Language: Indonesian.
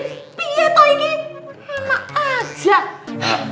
biar toh ini enak aja